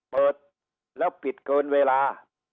เปิดแล้วปิดเกินเวลา